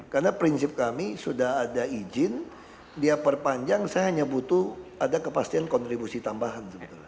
karena prinsip kami sudah ada izin dia perpanjang saya hanya butuh ada kepastian kontribusi tambahan